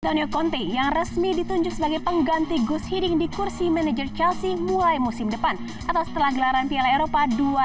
daniel conte yang resmi ditunjuk sebagai pengganti goose hitting di kursi manajer chelsea mulai musim depan atau setelah gelaran pla eropa dua ribu enam belas